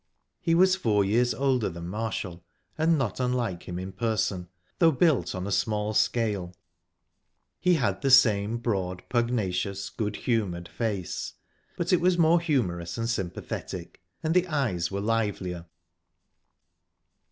He was four years older than Marshall, and not unlike him in person, though built on a small scale. He had the same broad, pugnacious, good humoured face, but it was more humorous and sympathetic, and the eyes were livelier.